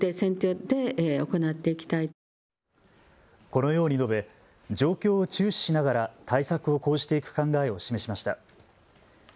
このように述べ状況を注視しながら対策を講じていく考えを示しました。